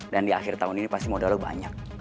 dan di akhir tahun ini pasti modal lo banyak